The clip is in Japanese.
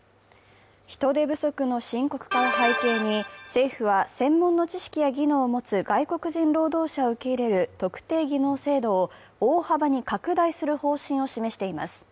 人手不足の深刻化を背景に、政府は専門の知識や技能を持つ外国人労働者を受け入れる特定技能制度を大幅に拡大する方針を示しています。